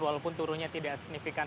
walaupun turunnya tidak signifikan